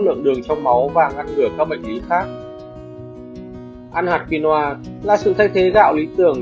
lượng đường trong máu và ngăn ngửa các mệnh lý khác ăn hạt quinoa là sự thay thế gạo lý tưởng